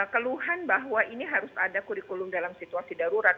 keluhan bahwa ini harus ada kurikulum dalam situasi darurat